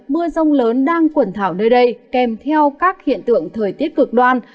mưa rông lớn đang quẩn thảo nơi đây kèm theo các hiện tượng thời tiết cực đoan